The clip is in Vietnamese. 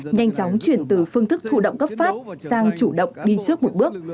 nhanh chóng chuyển từ phương thức thủ động cấp phát sang chủ động đi trước một bước